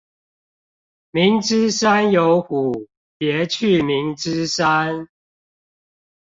明知山有虎，別去明知山